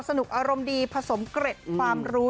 อารมณ์ดีผสมเกร็ดความรู้